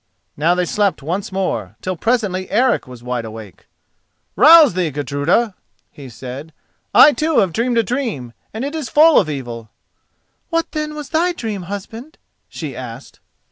Now they slept once more, till presently Eric was wide awake. "Rouse thee, Gudruda," he said, "I too have dreamed a dream, and it is full of evil." "What, then, was thy dream, husband?" she asked.